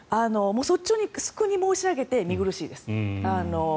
率直に申し上げて見苦しいです。